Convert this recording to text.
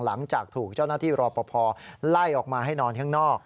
หลังจากถูกเจ้าหน้าที่รอปภไล่ออกมาให้นอนข้างนอก